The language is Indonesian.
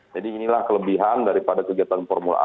jadi inilah kelebihan daripada kegiatan formula e